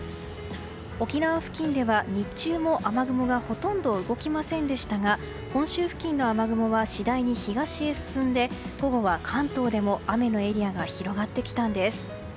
沖縄付近では日中も雨雲がほとんど動きませんでしたが本州付近の雨雲は次第に東へ進んで午後は関東でも雨のエリアが広がってきたんです。